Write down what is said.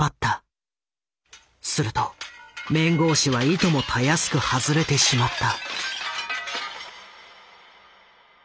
すると面格子はいともたやすく外れてしまった。